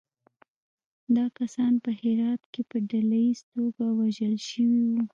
دا کسان په هرات کې په ډلییزه توګه وژل شوي وو.